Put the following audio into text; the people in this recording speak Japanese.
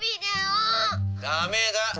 ダメだ。